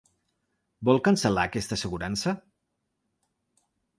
Vol cancel·lar aquesta assegurança?